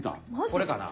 これかな？